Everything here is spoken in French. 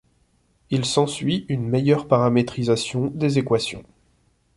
Il s'ensuit une meilleure paramétrisation des équations.